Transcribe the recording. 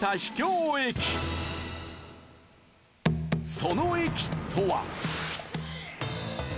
その駅とは。